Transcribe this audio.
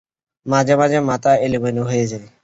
মাঝে-মাঝে মাথা এলোমেলো হয়ে যায়।